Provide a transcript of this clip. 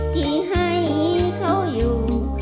ที่ให้เขาอยู่